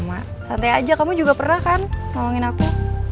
sama santai aja kamu juga pernah kan nolongin aku